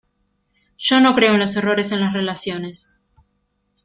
yo no creo en los errores en las relaciones.